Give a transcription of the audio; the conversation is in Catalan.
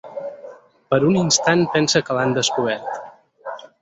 Per un instant pensa que l'han descobert.